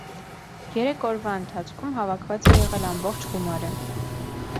Երեք օրվա ընթացքում հավաքված է եղել ամբողջ գումարը։